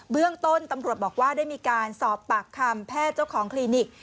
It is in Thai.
เรื่องต้นตำรวจบอกว่าได้มีการสอบปากคำแพทย์เจ้าของคลินิก